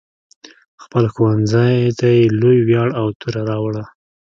خپل ښوونځي ته یې لوی ویاړ او توره راوړه.